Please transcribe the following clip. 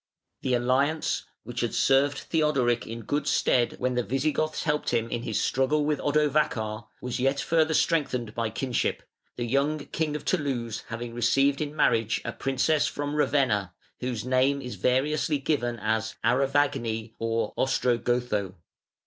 The alliance, which had served Theodoric in good stead when the Visigoths helped him in his struggle with Odovacar, was yet further strengthened by kinship, the young king of Toulouse having received in marriage a princess from Ravenna, whose name is variously given as Arevagni or Ostrogotho.